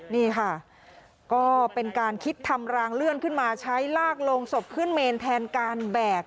นี่ค่ะก็เป็นการคิดทำรางเลื่อนขึ้นมาใช้ลากลงศพขึ้นเมนแทนการแบก